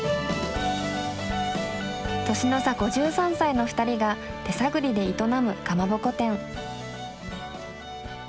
年の差５３歳のふたりが手探りで営むかまぼこ店。